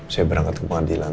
saya berangkat ke pengadilan